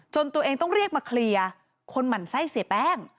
ตัวเองต้องเรียกมาเคลียร์คนหมั่นไส้เสียแป้ง